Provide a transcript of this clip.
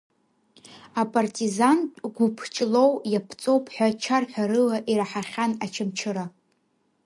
Апартизантә гәыԥ Ҷлоу иаԥҵоуп ҳәа чарҳәарыла ираҳахьан Очамчыра.